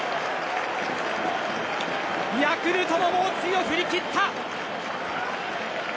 ヤクルトの猛追を振り切った。